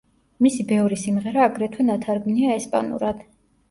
მისი ბევრი სიმღერა აგრეთვე ნათარგმნია ესპანურად.